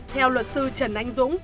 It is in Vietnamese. theo luật sư trần anh dũng